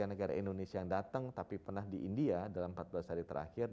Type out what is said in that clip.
negara indonesia yang datang tapi pernah di india dalam empat belas hari terakhir